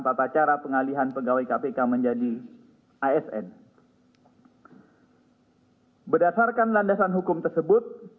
tata cara pengalihan pegawai kpk menjadi asn berdasarkan landasan hukum tersebut